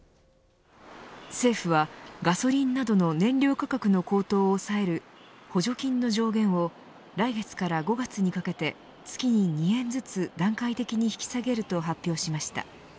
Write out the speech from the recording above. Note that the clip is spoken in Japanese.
政府はガソリンなどの燃料価格の高騰を抑える補助金の上限を来月から５月にかけて月に２円ずつ段階的に引き下げると発表しました。